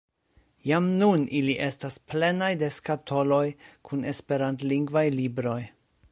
Jam nun ili estas plenaj de skatoloj kun esperantlingvaj libroj.